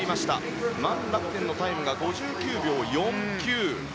マン・ラクテンのタイムが５９秒４９。